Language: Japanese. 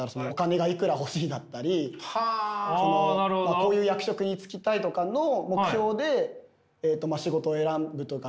こういう役職に就きたいとかの目標で仕事を選ぶというか。